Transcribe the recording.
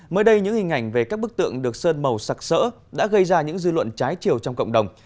mới đây những hình ảnh về các bức tượng được sơn màu sặc sỡ đã gây ra những dư luận trái chiều trong cộng đồng